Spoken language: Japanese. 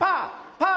パー！